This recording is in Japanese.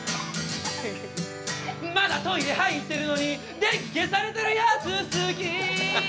まだトイレ入ってるのに電気消されてるやつ好き